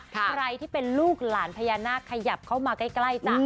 ใครที่เป็นลูกหลานพญานาคขยับเข้ามาใกล้จ้ะ